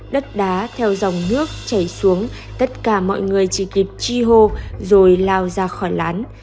đất đá theo dòng nước chảy xuống tất cả mọi người chỉ kịp chi hô rồi lao ra khỏi lán